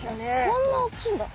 こんなおっきいんだ！